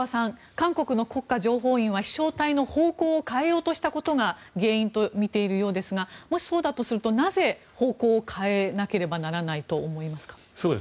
韓国の国家情報院は飛翔体の方向を変えようとしたことが原因だとみているようですがもしそうだとするとなぜ方向を変えなければならないと思いますか？